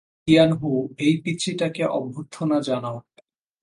Tian Hu, এই পিচ্চিটাকে অভ্যর্থনা জানাও।